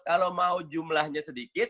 kalau mau jumlahnya sedikit